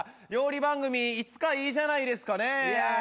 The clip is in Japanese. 料理番組いつかいいじゃないですかね。